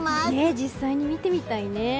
実際に見てみたいね。